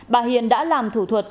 bà hiền đã làm thủ thuật